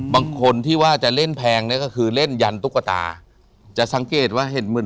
บางคนที่ว่าจะเล่นแพงเนี่ยก็คือเล่นยันตุ๊กตาจะสังเกตว่าเห็นเหมือน